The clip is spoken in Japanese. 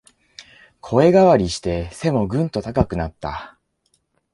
声変わりして背もぐんと高くなった